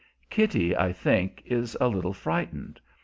Kitty, I think, is a little frightened.